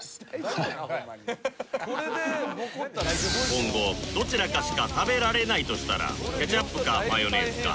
今後どちらかしか食べられないとしたらケチャップかマヨネーズか？